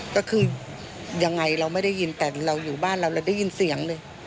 ก็คือยังไงเราไม่ได้ยินแต่เราอยู่บ้านเราเราได้ยินเสียงเลย